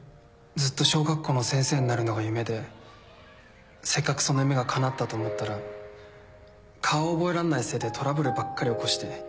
ずっと小学校の先生になるのが夢でせっかくその夢がかなったと思ったら顔覚えらんないせいでトラブルばっかり起こして